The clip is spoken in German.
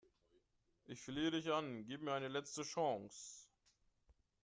Ich flehe dich an, gib mir eine letzte Chance